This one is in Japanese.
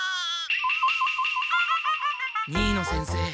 新野先生